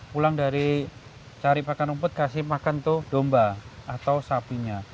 pulang dari cari pakan rumput kasih makan untuk domba